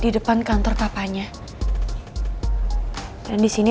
di depan kantor papanya slowed down